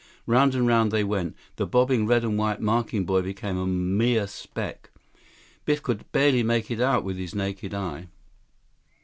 Round and round they went. The bobbing red and white marking buoy became a mere speck. Biff could barely make it out with his naked eye.